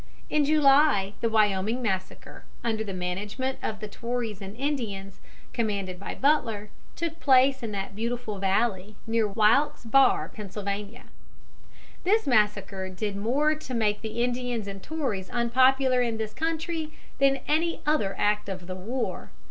In July the Wyoming Massacre, under the management of the Tories and Indians, commanded by Butler, took place in that beautiful valley near Wilkes Barre, Pennsylvania. This massacre did more to make the Indians and Tories unpopular in this country than any other act of the war.